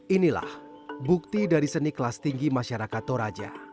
inilah bukti dari seni kelas tinggi masyarakat toraja